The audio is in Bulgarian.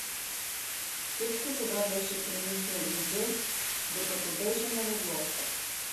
Всичко това беше премислил Индже, докато беше на легло.